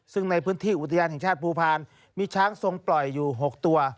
ซึ่งในพื้นที่อุทยานแห่งชาติภูพาลมีช้างทรงปล่อยอยู่๖ตัว